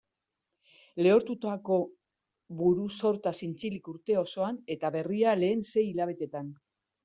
Lehortutako buru-sorta zintzilik urte osoan, eta berria lehen sei hilabeteetan.